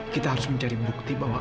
kamu tau britanya udah berpindah kan